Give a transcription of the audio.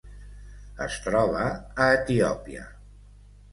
Es troba a Etiòpia.